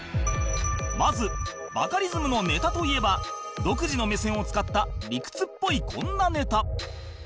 まずバカリズムのネタといえば独自の目線を使った理屈っぽいこんなネタ